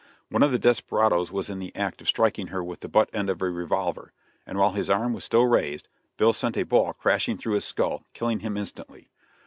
One of the desperadoes was in the act of striking her with the butt end of a revolver, and while his arm was still raised, Bill sent a ball crashing through his skull, killing him instantly.